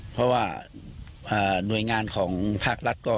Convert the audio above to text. เพราะว่าหน่วยงานของภาครัฐก็